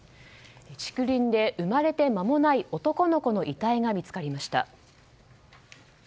竹林で生まれて間もない男の子の遺体が見つかりました。